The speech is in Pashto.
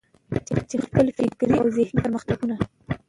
چې خپل فکري او ذهني پرمختګونه.